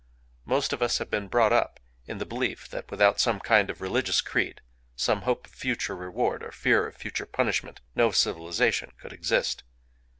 Most of us have been brought up in the belief that without some kind of religious creed—some hope of future reward or fear of future punishment—no civilization could exist.